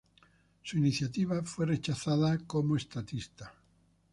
Su iniciativa fue rechazada como estatista.